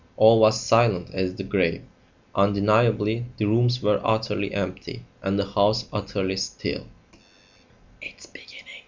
All was silent as the grave. Undeniably the rooms were utterly empty, and the house utterly still.